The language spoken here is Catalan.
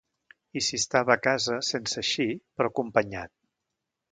I si estava a casa, sense eixir, però acompanyat...